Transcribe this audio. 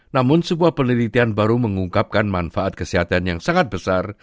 namun sebuah penelitian baru mengungkapkan manfaat kesehatan yang sangat besar